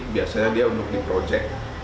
biasanya dia untuk diprojek